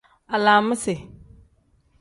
Alaamisi.